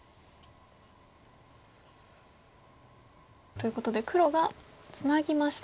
ということで黒がツナぎました。